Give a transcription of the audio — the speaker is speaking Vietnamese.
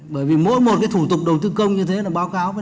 bởi vì mỗi một cái thủ tục đầu tư công như thế là báo cáo